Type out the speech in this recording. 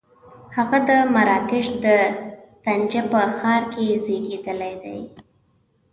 هغه د مراکش د طنجه په ښار کې زېږېدلی دی.